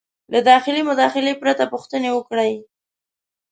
-له ډېرې مداخلې پرته پوښتنې وکړئ: